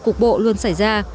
cục bộ luôn xảy ra